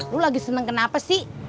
lu lagi seneng kenapa sih